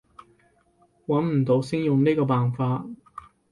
揾唔到先用呢個辦法